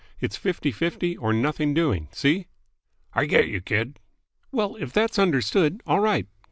It's fifty fifty, or nothing doing. See?" "I get you, kid." "Well, if that's understood, all right.